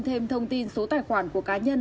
thêm thông tin số tài khoản của cá nhân